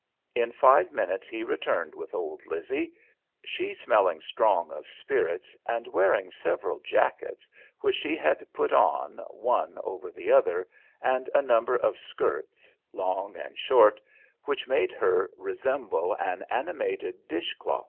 In five minutes he returned with old Lizzie, she smelling strong of spirits and wearing several jackets which she had put on one over the other, and a number of skirts, long and short, which made her resemble an animated dish clout.